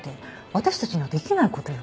私たちにはできない事よ。